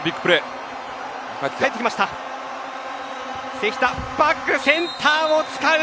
関田、バックセンターを使う。